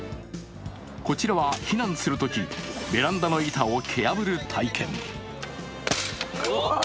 こちらは避難するとき、ベランダの板を蹴破る体験。